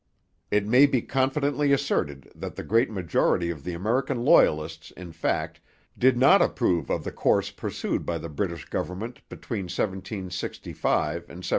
It may be confidently asserted that the great majority of the American Loyalists, in fact, did not approve of the course pursued by the British government between 1765 and 1774.